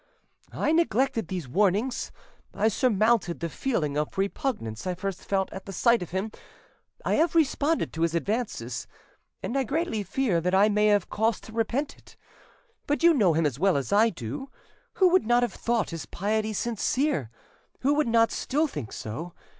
I neglected these warnings. I surmounted the feeling of repugnance I first felt at the sight of him; I have responded to his advances, and I greatly fear I may have cause to repent it. But you know him as well as I do, who would not have thought his piety sincere?—who would not still think so?